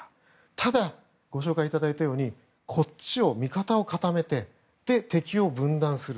ただ、ご紹介いただいたように味方を固めて敵を分断する。